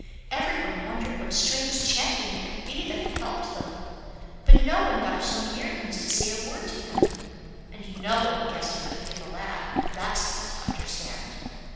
Every one wondered what strange champion it could be that had helped them, but no one got so near him as to say a word to him; and no one guessed it could be the lad; that's easy to understand.